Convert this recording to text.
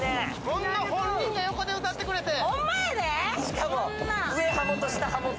本人が横で歌ってくれて。